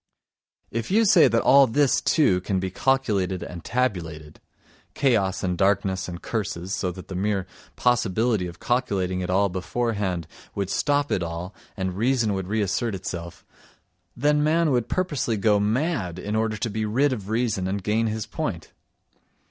If you say that all this, too, can be calculated and tabulated—chaos and darkness and curses, so that the mere possibility of calculating it all beforehand would stop it all, and reason would reassert itself, then man would purposely go mad in order to be rid of reason and gain his point!